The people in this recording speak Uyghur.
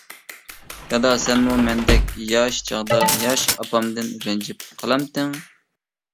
دادا سەنمۇ مەندەك ياش چاغدا، ياش ئاپامدىن رەنجىپ قالامتىڭ؟ !